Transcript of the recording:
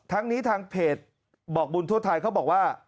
ทั้งนี้ทางเพจบอกบุญทั่วไทยเขาบอกว่า